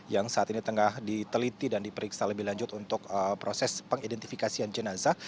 yang saat ini tengah diteliti dan diperiksa lebih lanjut untuk proses pengidentifikasian jenazah